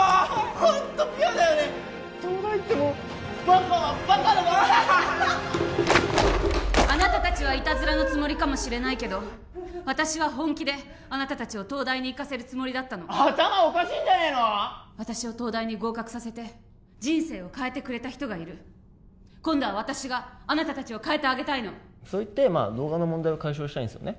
ホントピュアだよね東大行ってもバカはバカのままあなた達はいたずらのつもりかもしれないけど私は本気であなた達を東大に行かせるつもりだったの頭おかしいんじゃねえの私を東大に合格させて人生を変えてくれた人がいる今度は私があなた達を変えてあげたいのそういって動画の問題を解消したいんすよね